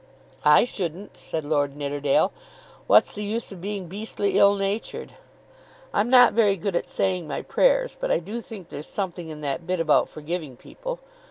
"I shouldn't," said Lord Nidderdale. "What's the use of being beastly ill natured? I'm not very good at saying my prayers, but I do think there's something in that bit about forgiving people.